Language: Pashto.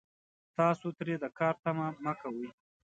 تاسو ترې د کار تمه کوئ